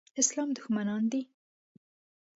اسلام دښمنان دي.